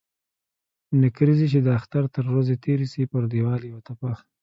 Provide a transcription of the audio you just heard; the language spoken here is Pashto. نکريزي چې د اختر تر ورځي تيري سي ، پر ديوال يې و ترپه.